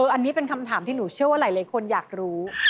อันนี้เป็นคำถามที่หนูเชื่อว่าหลายคนอยากรู้